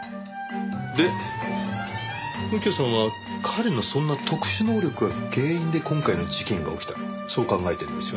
で右京さんは彼のそんな特殊能力が原因で今回の事件が起きたそう考えてるんですよね？